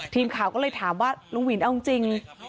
ทีมข่าวก็เลยถามว่าลุงวินเอาจริง